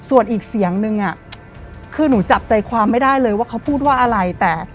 ส่วนอีกเสียงนึงคือหนูจับใจความไม่ได้เลยว่าเขาพูดว่าอะไรแต่